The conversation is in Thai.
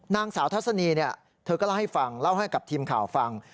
นางสาวทัศนีเธอก็เล่าให้ฟังเล่าให้กับทีมข่าวฟัง